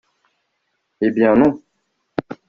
Eh bien non